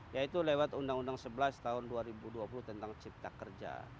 yaitu lewat undang undang sebelas tahun dua ribu dua puluh tentang cipta kerja